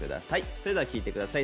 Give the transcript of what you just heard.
それでは聴いて下さい。